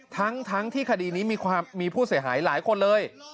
ทั้งที่คดีนี้มีผู้เสียหายหลายคนเลย